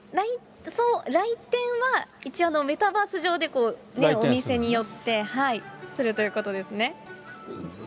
来店は、一応、メタバース上でお店に寄ってするということですね。